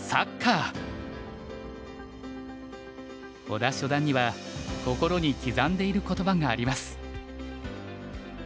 保田初段には心に刻んでいる言葉があります。